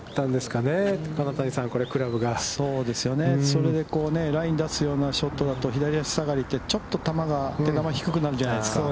それでラインを出すようなショットだと、左足下がりって、ちょっと球が出球が低くなるじゃないですか。